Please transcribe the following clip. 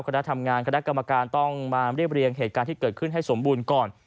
คณะทำงานคณะกรรมการต้องมาเรียบเรียงเหตุการณ์ที่เกิดขึ้นให้สมบูรณ์ก่อน